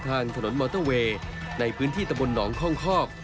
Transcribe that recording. ทางถนนมอเตอร์เวย์ในพื้นที่ตะบนหนองคล่องคอก